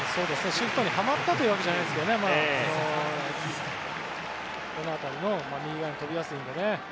シフトにはまったというわけではないですけど右側に飛びやすいのでね。